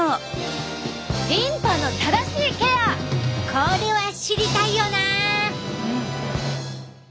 これは知りたいよな。